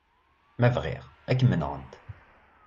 Ma bɣiɣ, ad kem-nɣent.